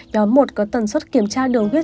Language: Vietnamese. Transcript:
nhóm một có tần suất kiểm tra đường huyết